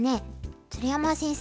鶴山先生